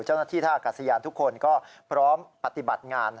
เจ้าหน้าที่ท่าอากาศยานทุกคนก็พร้อมปฏิบัติงาน